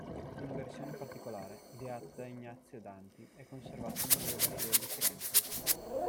Una versione particolare, ideata da Egnazio Danti, è conservata al Museo Galileo di Firenze.